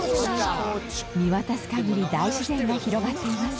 見渡す限り大自然が広がっています。